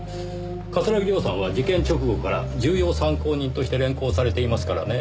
桂木涼さんは事件直後から重要参考人として連行されていますからねぇ。